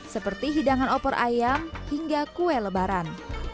seperti hidangan opor ayam hingga kue lebaran